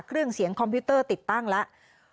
เครื่องเสียงคอมพิวเตอร์ติดตั้งแล้ว